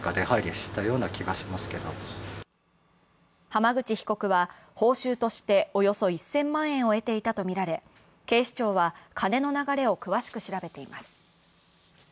浜口被告は、報酬としておよそ１０００万円を得ていたとみられ、警視庁は金の流れを詳しく調べています。